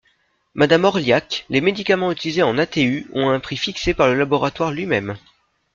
Madame Orliac, les médicaments utilisés en ATU ont un prix fixé par le laboratoire lui-même.